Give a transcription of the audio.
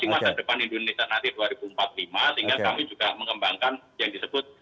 sehingga kami juga mengembangkan yang disebut